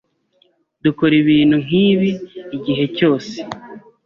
Dukora ibintu nkibi igihe cyose.